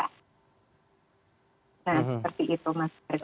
nah seperti itu mas haris